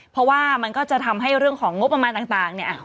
เพราะว่ามันก็จะทำให้เรื่องของงบประมาณต่างเนี่ย